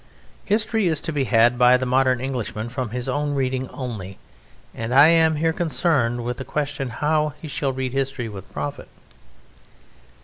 History is to be had by the modern Englishman from his own reading only; and I am here concerned with the question how he shall read history with profit.